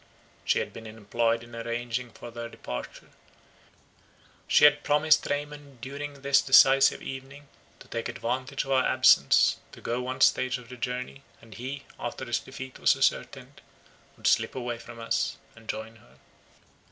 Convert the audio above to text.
She had been employed in arranging for their departure; she had promised Raymond during this decisive evening, to take advantage of our absence, to go one stage of the journey, and he, after his defeat was ascertained, would slip away from us, and join her.